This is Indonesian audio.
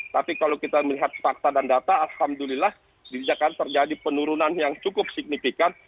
tapi kalau kita melihat fakta dan data alhamdulillah di jakarta terjadi penurunan yang cukup signifikan